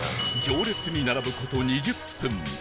行列に並ぶ事２０分